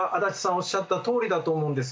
おっしゃったとおりだと思うんです。